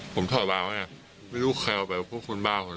ผมชอบบางไม่รู้ใครเอาไปพวกคุณบาง